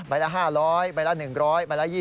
ไปละ๕๐๐ไปละ๑๐๐ไปละ๒๐